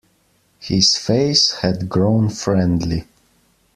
His face had grown friendly.